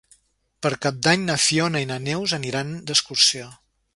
Per Cap d'Any na Fiona i na Neus aniran d'excursió.